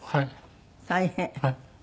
大変。